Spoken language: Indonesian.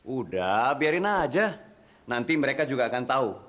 udah biarin aja nanti mereka juga akan tahu